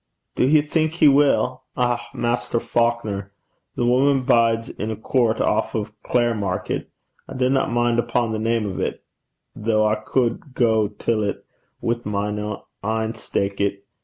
'Do ye think he will? Eh, Maister Faukner! The wuman bides in a coort off o' Clare Market. I dinna min' upo' the name o' 't, though I cud gang till 't wi' my een steekit.